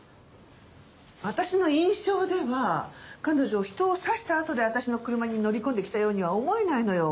私の印象では彼女人を刺したあとで私の車に乗り込んできたようには思えないのよ。